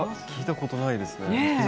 聞いたことないですね。